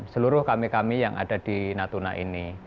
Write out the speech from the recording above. seluruh kami kami yang ada di natuna ini